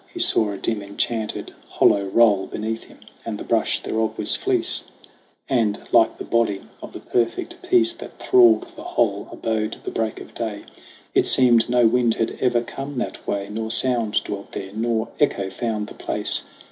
He saw a dim, enchanted hollow roll Beneath him, and the brush thereof was fleece ; And, like the body of the perfect peace That thralled the whole, abode the break of day. It seemed no wind had ever come that way, Nor sound dwelt there, nor echo found the place.